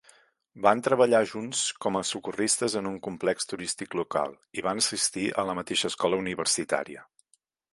Van treballar junts com a socorristes en un complex turístic local i van assistir a la mateixa escola universitària.